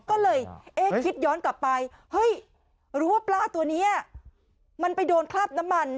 ก็เลยเอ๊ะคิดย้อนกลับไปเฮ้ยรู้ว่าปลาตัวนี้มันไปโดนคราบน้ำมัน